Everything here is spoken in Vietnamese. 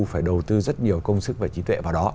phải đầu tư rất nhiều công sức và trí tuệ vào đó